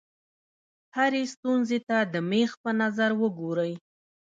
هرې ستونزې ته د مېخ په نظر وګورئ.